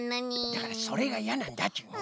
だからそれがいやなんだっちゅうの。